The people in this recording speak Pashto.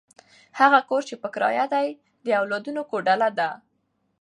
هغه کور چې په کرایه دی، د اولادونو کوډله ده.